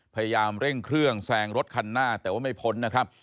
พยายามเร่งเครื่องแซงรถคันหน้าแต่ว่าไม่พ้นนะครับ